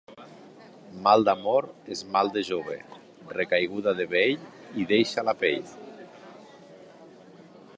Mal d'amor és mal de jove; recaiguda de vell hi deixa la pell.